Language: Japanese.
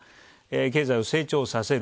経済を成長させる。